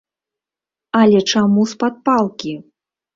Але чаму з-пад палкі?